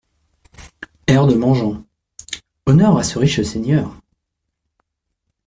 Air de MANGEANT {Honneur à ce riche seigneur .